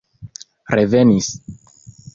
revenis